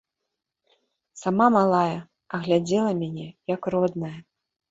Сама малая, а глядзела мяне, як родная.